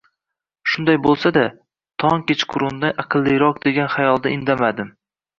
Shunday bo`lsa-da tong kechqurundan aqlliroq degan xayolda indamadim